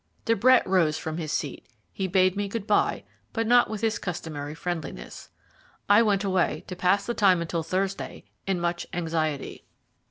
De Brett rose from his seat. He bade me good bye, but not with his customary friendliness. I went away, to pass the time until Thursday in much anxiety.